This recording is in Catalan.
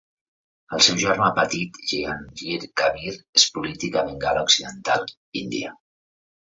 El seu germà petit Jehangir Kabir és polític a Bengala Occidental, Índia.